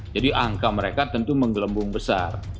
jadi angka mereka tentu menggelembung besar